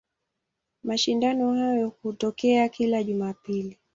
Mashindano hayo hutokea kila Jumapili.